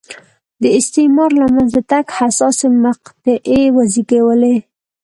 د استعمار له منځه تګ حساسې مقطعې وزېږولې.